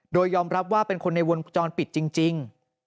โดยยอมรับว่าเป็นคนในวงจรปิดจริง